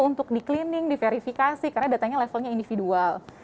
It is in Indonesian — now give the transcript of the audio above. untuk di cleaning di verifikasi karena datanya levelnya individual